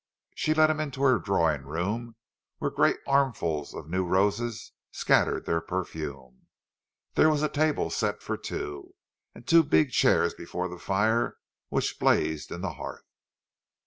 She led him into her drawing room, where great armfuls of new roses scattered their perfume. There was a table set for two, and two big chairs before the fire which blazed in the hearth.